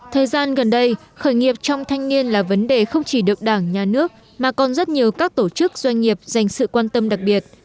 thời gian gần đây khởi nghiệp trong thanh niên là vấn đề không chỉ được đảng nhà nước mà còn rất nhiều các tổ chức doanh nghiệp dành sự quan tâm đặc biệt